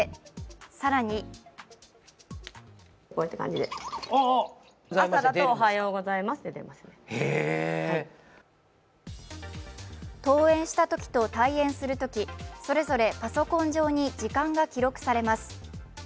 更に登園したときと退園するときそれぞれパソコン上に時間が記録されます。